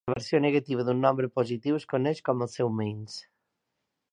La versió negativa d'un nombre positiu es coneix com el seu menys.